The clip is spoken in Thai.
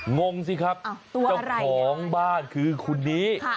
งงสิครับเจ้าของบ้านคือคนนี้